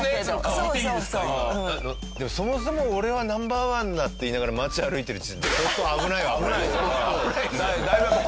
そもそも「俺はナンバーワンだ！」って言いながら街歩いてる時点で相当危ないは危ない。